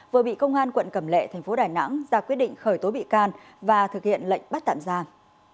vừa bị công an quận cẩm lệ thành phố đà nẵng ra quyết định khởi tố bị can và thực hiện lệnh bắt tạm giam